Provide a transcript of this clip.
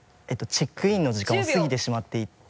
チェックインの時間を過ぎてしまっていて。